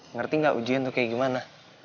ngerti nggak ujian tuh kayak gimana